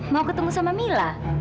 mau ketemu sama mila